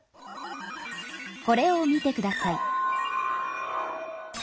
これを見てください。